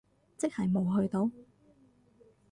即係冇去到？